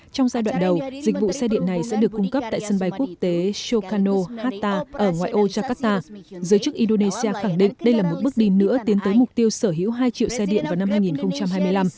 trong giai đoạn đầu dịch vụ xe điện này sẽ được cung cấp tại sân bay quốc tế shokano hatta ở ngoại ô jakarta giới chức indonesia khẳng định đây là một bước đi nữa tiến tới mục tiêu sở hữu hai triệu xe điện vào năm hai nghìn hai mươi năm